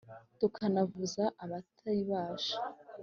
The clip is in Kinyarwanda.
tukanavuza abatibasha